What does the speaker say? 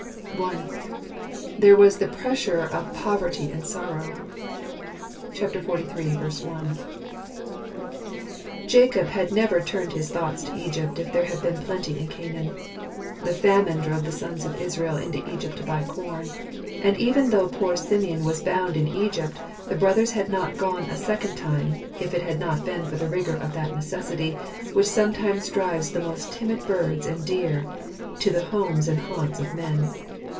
I. There was the Pressure of Poverty and Sor row (xliii, i). Jacob had never turned his thoughts to Egypt if there had been plenty in Canaan. The famine drove the sons of Israel into Egypt to buy corn. And even though poor Simeon was bound in Egypt, the brothers had not gone a second time if it had not been for the rigour of that necessity, which sometimes drives the most timid birds and deer to the homes and haunts of men.